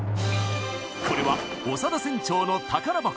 これは長田船長の宝箱。